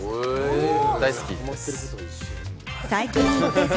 大好きです。